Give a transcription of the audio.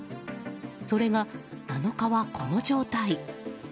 それが７日は、この状態。